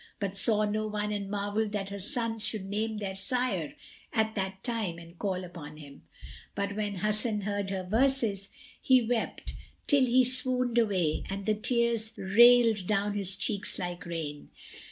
but saw no one and marvelled that her sons should name their sire at that time and call upon him. But when Hasan heard her verses, he wept till he swooned away and the tears railed down his cheeks like rain.